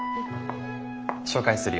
紹介するよ。